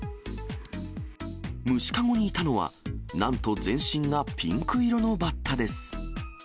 虫籠にいたのは、なんと全身がピンク色のバッタです。